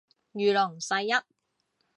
如龍世一